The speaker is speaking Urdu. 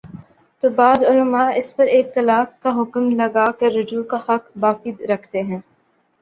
تو بعض علما اس پر ایک طلاق کا حکم لگا کر رجوع کا حق باقی رکھتے ہیں